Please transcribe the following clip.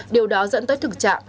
điều đó dẫn tới thực trạng